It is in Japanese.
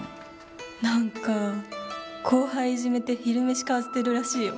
何か後輩いじめて昼飯買わせてるらしいよ。